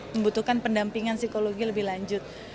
membutuhkan pendampingan psikologi lebih lanjut